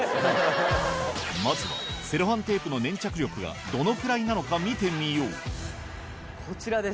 まずはセロハンテープの粘着力がどのくらいなのか見てみようこちらです。